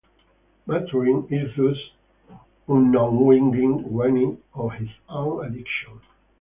Maturin is thus unknowingly weaned off his own addiction.